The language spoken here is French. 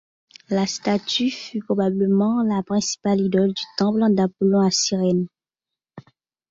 La statue fut probablement la principale idole du Temple d'Apollon à Cyrène.